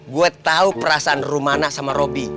gue tau perasaan rumana sama robby